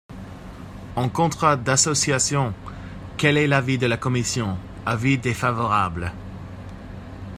En contrat d’association ! Quel est l’avis de la commission ? Avis défavorable.